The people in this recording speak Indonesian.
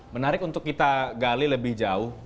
menarik untuk kita gali lebih jauh